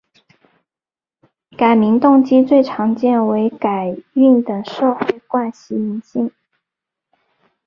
改名动机最常见为改运等社会惯习迷信。